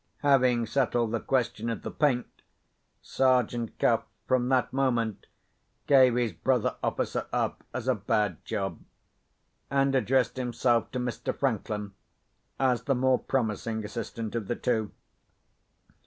Having settled the question of the paint, Sergeant Cuff, from that moment, gave his brother officer up as a bad job—and addressed himself to Mr. Franklin, as the more promising assistant of the two.